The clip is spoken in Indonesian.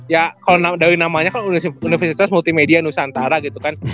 ya kalau dari namanya kan universitas multimedia nusantara gitu kan